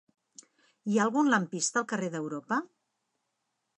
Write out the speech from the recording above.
Hi ha algun lampista al carrer d'Europa?